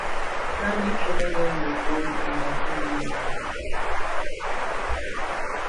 Raleigh Trevelyan was born in the Andaman Islands.